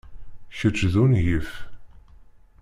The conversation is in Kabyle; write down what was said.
Kečč d ungif!